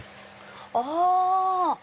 あ！